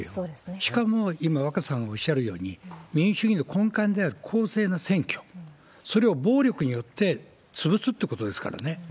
しかも、今、若狭さんおっしゃるように、民主主義の根幹である公正な選挙、それを暴力によって潰すってことですからね。